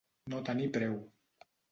No tenir preu.